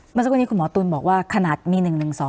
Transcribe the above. เมื่อสักวันนี้คุณหมอตุ๋นบอกว่าขนาดมี๑๑๒